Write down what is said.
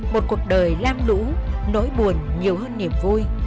một cuộc đời lam lũ nỗi buồn nhiều hơn niềm vui